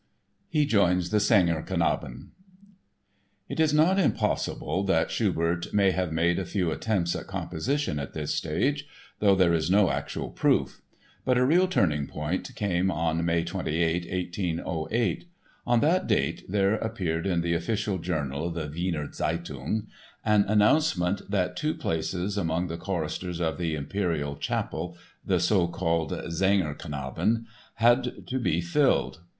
He Joins the "Sängerknaben" It is not impossible that Schubert may have made a few attempts at composition at this stage, though there is no actual proof. But a real turning point came on May 28, 1808. On that date there appeared in the official journal, the Wiener Zeitung, an announcement that two places among the choristers of the Imperial Chapel (the so called Sängerknaben) had to be filled.